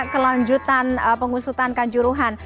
kelanjutan pengusutan kanjuruhan